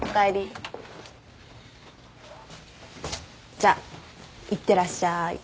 じゃいってらっしゃい。